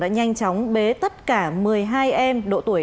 nhanh chóng bế tất cả một mươi hai em độ tuổi